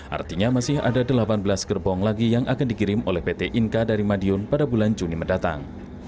artinya masih ada delapan belas gerbong lagi yang akan dikirim oleh pt inka dari madiun pada bulan juni mendatang